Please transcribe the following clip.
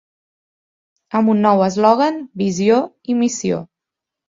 Amb un nou eslògan, visió i missió.